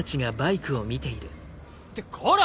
ってこら！